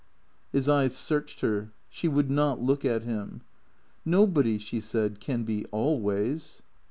His eyes searched her. She would not look at him. " Nobody," she said, " can be — always."